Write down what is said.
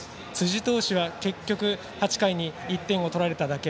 辻投手は結局８回に１点を取られただけ。